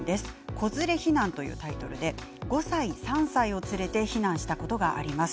子連れ避難というタイトルで５歳、３歳を連れて避難したことがあります。